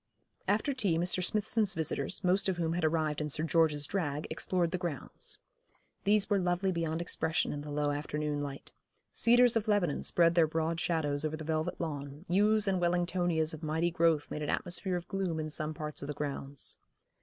After tea Mr. Smithson's visitors, most of whom had arrived in Sir George's drag, explored the grounds. These were lovely beyond expression in the low afternoon light. Cedars of Lebanon spread their broad shadows on the velvet lawn, yews and Wellingtonias of mighty growth made an atmosphere of gloom in some parts of the grounds.